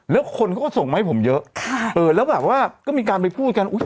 แล้วเขาก็ส่งไหมผมเยอะครับเปิดแล้วแบบว่าก็มีการไปพูดกันอุ๊ย